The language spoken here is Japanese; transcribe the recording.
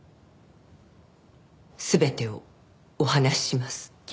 全てをお話しします。